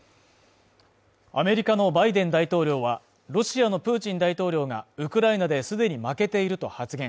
アメリカのバイデン大統領はロシアのプーチン大統領がウクライナで既に負けていると発言